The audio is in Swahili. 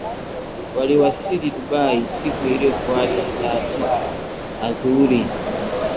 Waliwasili Dubai siku iliyofuata saa sita adhuhuri